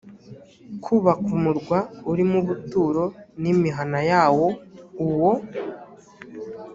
kubaka umurwa urimo ubuturo n imihana yawo uwo